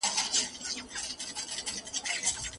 فراه هم ډېرې تاریخي کلاګاني لري.